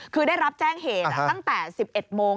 คือได้รับแจ้งเหตุตั้งแต่๑๑โมง